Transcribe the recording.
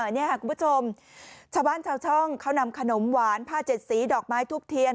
นี่ค่ะคุณผู้ชมชาวบ้านชาวช่องเขานำขนมหวานผ้าเจ็ดสีดอกไม้ทุบเทียน